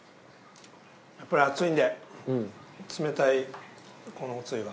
やっぱり暑いんで冷たいこのおつゆが。